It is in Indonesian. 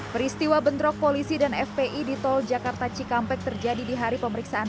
peristiwa bentrok polisi dan fpi di tol jakarta cikampek terjadi di hari pemeriksaan